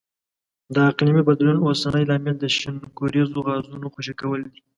د اقلیمي بدلون اوسنی لامل د شینکوریزو غازونو خوشې کول دي.